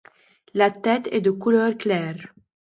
La tête est de couleur claire.